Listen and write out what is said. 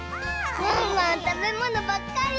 ワンワンたべものばっかり！